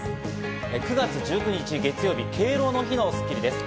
９月１９日、月曜日、敬老の日の『スッキリ』です。